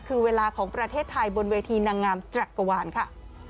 คือเวลาของประเทศไทยบนเวทีนางงามจักรวาลค่ะ